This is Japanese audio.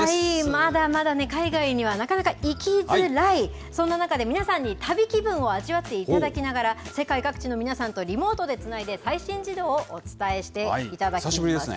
まだまだ海外にはなかなか行きづらい、そんな中で皆さんに旅気分を味わっていただきながら、世界各地の皆さんとリモートでつないで、最新事情をお伝えしていただきます。